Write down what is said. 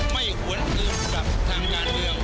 ไม่หวนอื่นกับทางด้านเรือง